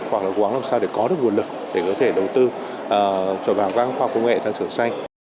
hoặc là quán làm sao để có được nguồn lực để có thể đầu tư vào các hoạt công nghệ sáng tạo xanh